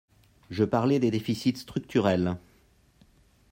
Je parlais des déficits structurels